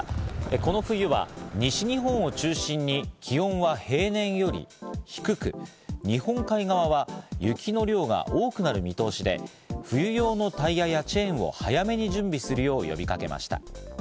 この冬は西日本を中心に気温は平年より低く、日本海側は雪の量が多くなる見通しで、冬用のタイヤやチェーンを早めに準備するよう呼びかけました。